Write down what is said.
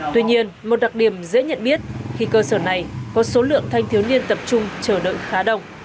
tuy nhiên một đặc điểm dễ nhận biết khi cơ sở này có số lượng thanh thiếu niên tập trung chờ đợi khá đông